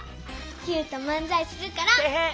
キューとまんざいするから。てへっ。